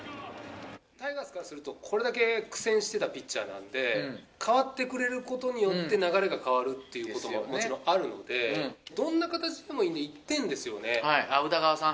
タイガースからすると、これだけ苦戦してたピッチャーなんで、代わってくれることによって、流れが変わるっていうことがもちろんあるので、どんな形でもいい宇田川さん。